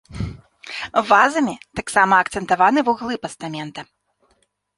Вазамі таксама акцэнтаваны вуглы пастамента.